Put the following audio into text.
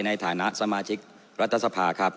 ในฐานะสมาชิกรัฐสภาครับ